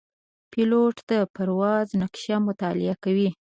پیلوټ د پرواز نقشه مطالعه کوي.